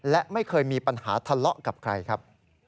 และไม่เคยมีปัญหาทะเลาะกับใครครับ